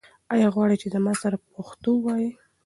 آیا غواړې چې زما سره پښتو ووایې؟